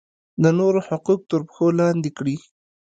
د نورو حقوق تر پښو لاندې کړي.